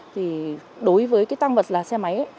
thì đối với cái tăng vật là xe máy